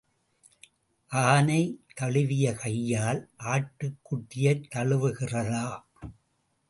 ஆனை தழுவிய கையால் ஆட்டுக்குட்டியைத் தழுவுகிறதா?